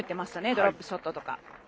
ドロップショットとか。